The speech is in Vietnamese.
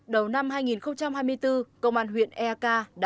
đầu năm hai nghìn hai mươi bốn công an huyện eak đã điều tra